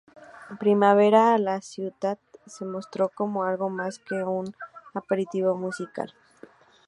Primavera a la Ciutat se mostró como algo más que un aperitivo musical.